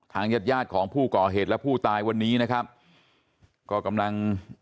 ญาติญาติของผู้ก่อเหตุและผู้ตายวันนี้นะครับก็กำลัง